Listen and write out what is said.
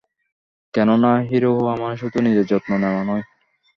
কেননা হিরো হওয়া মানে শুধু নিজের যত্ন নেওয়া নয়।